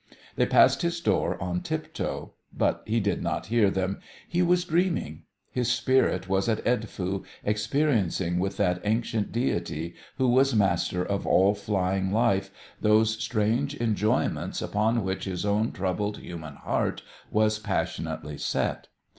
They passed his door on tiptoe. But he did not hear them. He was dreaming. His spirit was at Edfu, experiencing with that ancient deity who was master of all flying life those strange enjoyments upon which his own troubled human heart was passionately set.